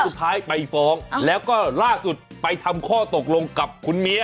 สุดท้ายไปฟ้องแล้วก็ล่าสุดไปทำข้อตกลงกับคุณเมีย